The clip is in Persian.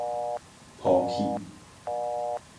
پاپی